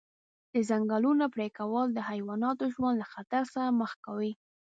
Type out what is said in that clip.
د ځنګلونو پرېکول د حیواناتو ژوند له خطر سره مخ کوي.